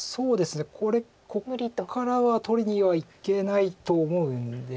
ここからは取りにはいけないと思うんで。